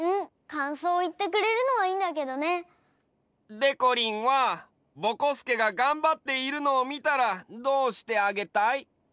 かんそうをいってくれるのはいいんだけどね。でこりんはぼこすけががんばっているのをみたらどうしてあげたい？